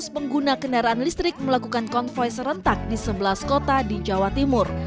lima belas pengguna kendaraan listrik melakukan konvoy serentak di sebelas kota di jawa timur